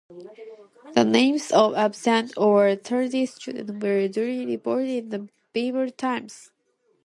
The names of absent or tardy students were duly reported in the Beemer Times.